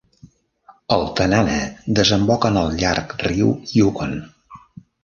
El Tanana desemboca en el llarg riu Yukon.